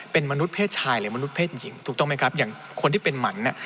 เป็นมนุษย์เพศชายหรือมนุษย์เศษหญิงถูกต้องไหมครับอย่างคนที่เป็นหมันเนี่ย